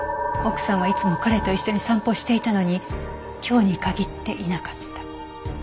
奥さんはいつも彼と一緒に散歩していたのに今日に限っていなかった。